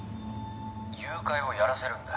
誘拐をやらせるんだ。